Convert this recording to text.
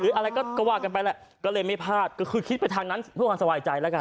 อะไรก็ว่ากันไปแหละก็เลยไม่พลาดก็คือคิดไปทางนั้นเพื่อความสบายใจแล้วกัน